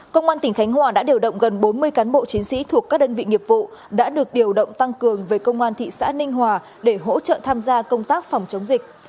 công an tỉnh khánh hòa đã điều động gần bốn mươi cán bộ chiến sĩ thuộc các đơn vị nghiệp vụ đã được điều động tăng cường về công an thị xã ninh hòa để hỗ trợ tham gia công tác phòng chống dịch